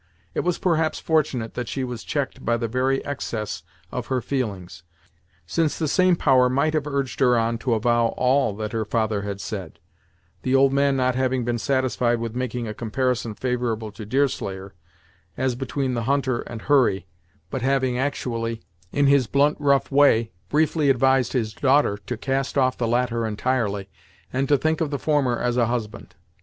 It was perhaps fortunate that she was checked by the very excess of her feelings, since the same power might have urged her on to avow all that her father had said the old man not having been satisfied with making a comparison favorable to Deerslayer, as between the hunter and Hurry, but having actually, in his blunt rough way, briefly advised his daughter to cast off the latter entirely, and to think of the former as a husband.